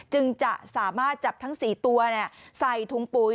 จึงจะสามารถจับทั้ง๔ตัวใส่ถุงปุ๋ย